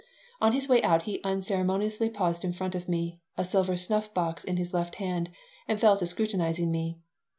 On his way out he unceremoniously paused in front of me, a silver snuff box in his left hand, and fell to scrutinizing me.